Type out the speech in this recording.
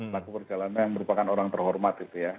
laku perjalanan merupakan orang terhormat itu ya